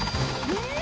うん？